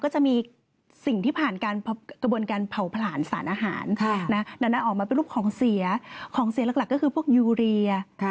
ยังต้องบอกว่าเป็นสิ่งที่ดี